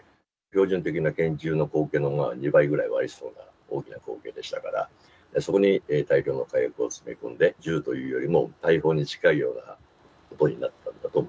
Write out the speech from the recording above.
標準的な拳銃の口径の２倍ぐらいはありそうな大きな口径でしたから、そこに大量の火薬を詰め込んで、銃というよりも大砲に近いよ